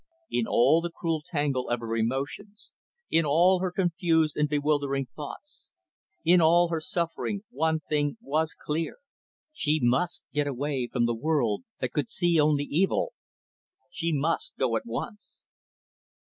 In all the cruel tangle of her emotions, in all her confused and bewildering thoughts, in all her suffering one thing was clear; she must get away from the world that could see only evil she must go at once.